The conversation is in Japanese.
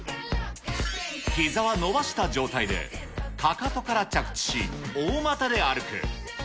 ひざは伸ばした状態で、かかとから着地し、大股で歩く。